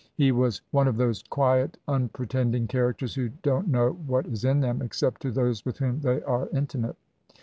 He was one of those quite unpretending characters who don't know what is in them, except to those with whom they are intimate.